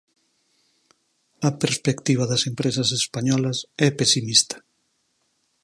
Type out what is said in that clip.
A perspectiva das empresas españolas é pesimista.